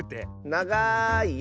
ながいよ。